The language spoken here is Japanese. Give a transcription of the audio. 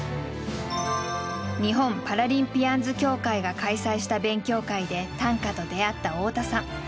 日本パラリンピアンズ協会が開催した勉強会で短歌と出会った太田さん。